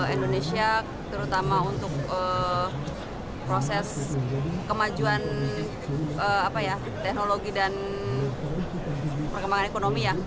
indonesia terutama untuk proses kemajuan teknologi dan perkembangan ekonomi ya